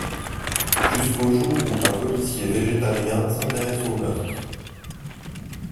Jusqu'au jour où un policier végétarien s'intéresse au meurtre...